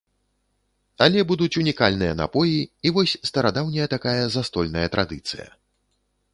Але будуць унікальныя напоі, і вось старадаўняя такая застольная традыцыя.